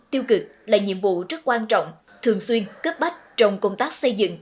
tiêu cực là nhiệm vụ rất quan trọng thường xuyên cấp bách trong công tác xây dựng